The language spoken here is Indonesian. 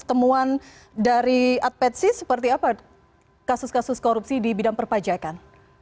temuan dari adpetsi seperti apa kasus kasus korupsi di bidang perpajakan